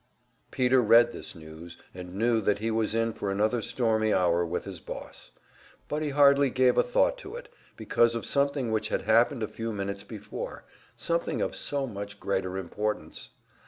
Peter read this news, and knew that he was in for another stormy hour with his boss. But he hardly gave a thought to it, because of something which had happened a few minutes before, something of so much greater importance.